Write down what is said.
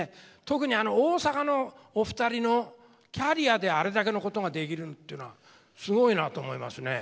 特にあの大阪のお二人のキャリアであれだけのことができるっていうのはすごいなと思いますね。